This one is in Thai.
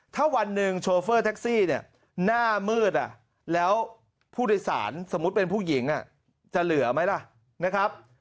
ถ้าวันหนึ่งโชเฟอร์แท็กซี่เนี่ยหน้ามืดแล้วผู้โดยสารสมมุติเป็นผู้หญิงจะเหลือไหมล่ะนะครับ